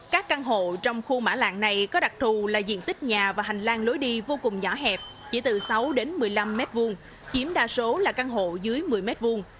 các căn hộ trong khu mã lạng này có đặc thù là diện tích nhà và hành lang lối đi vô cùng nhỏ hẹp chỉ từ sáu đến một mươi năm mét vuông chiếm đa số là căn hộ dưới một mươi mét vuông